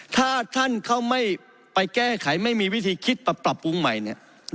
ถ้าท่านเขาไม่ไปแก้ไขไม่มีวิธีคิดมาปรับปรุงใหม่เนี่ย